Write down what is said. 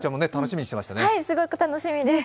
すごく楽しみです。